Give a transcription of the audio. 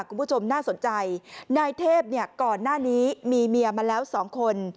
คุณผู้ชมน่าสนใจนายเทพเนี่ยก่อนหน้านี้มีเมียมาแล้วสองคน